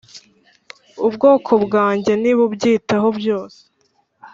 ubwoko bwanjye ntibubyitaho byose